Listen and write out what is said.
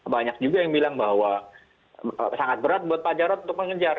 banyak juga yang bilang bahwa sangat berat buat pak jarod untuk mengejar